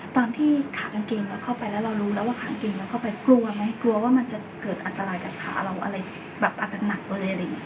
ขากางเกงเราเข้าไปแล้วเรารู้แล้วว่าขาเกงเราเข้าไปกลัวไหมกลัวว่ามันจะเกิดอันตรายกับขาเราอะไรแบบอาจจะหนักเลยอะไรอย่างนี้